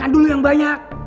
makan dulu yang banyak